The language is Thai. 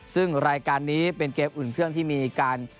ซึ่งรายการนี้เป็นเกมอุ่นเครื่องที่มีการ